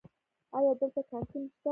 ایا دلته کانتین شته؟